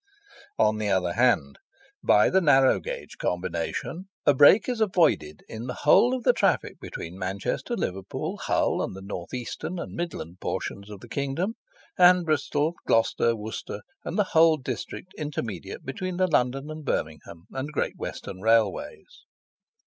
On the other hand by the narrow gauge combination, a break is avoided in the whole of the traffic between Manchester, Liverpool, Hull, and the Northern, Eastern, and Midland portions of the kingdom, and Bristol, Gloucester, Worcester, and the whole district intermediate between the London and Birmingham and Great Western Railways.